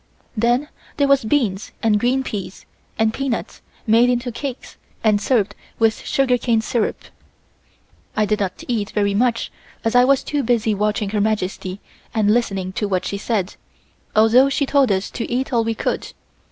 Then there was beans and green peas, and peanuts made into cakes and served with sugarcane syrup. I did not eat very much, as I was too busy watching Her Majesty and listening to what she said, although she told us to eat all we could.